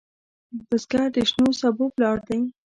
بزګر د شنو سبو پلار دی